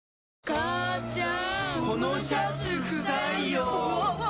母ちゃん！